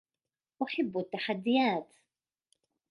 أحب التحديات